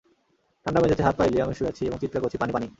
ঠান্ডা মেঝেতে হাত-পা এলিয়ে আমি শুয়ে আছি এবং চিত্কার করছি, পানি, পানি।